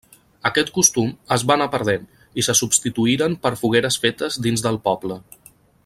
Aquest costum es va anar perdent, i se substituïren per fogueres fetes dins del poble.